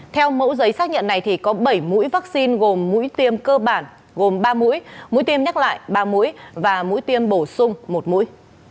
theo mẫu giấy xác nhận này có bảy mũi vaccine gồm mũi tiêm cơ bản gồm ba mũi mũi mũi tiêm nhắc lại ba mũi và mũi tiêm bổ sung một mũi